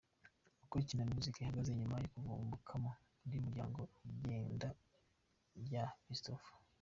Uko Kina Music ihagaze nyuma yo kuvumbukamo undi muryango; igenda rya Christopher.